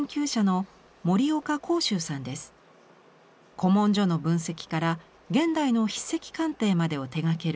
古文書の分析から現代の筆跡鑑定までを手がける